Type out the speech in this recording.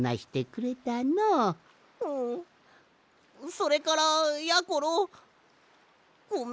それからやころごめん。